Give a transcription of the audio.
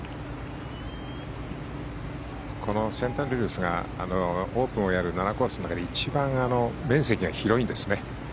セントアンドリュースがオープンをやる７コースの中で一番面積が広いんですね。